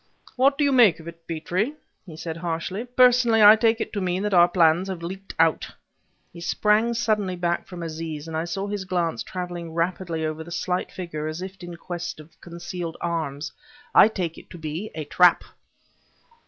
"What do you make of it, Petrie?" he said harshly. "Personally I take it to mean that our plans have leaked out." He sprang suddenly back from Aziz and I saw his glance traveling rapidly over the slight figure as if in quest of concealed arms. "I take it to be a trap!"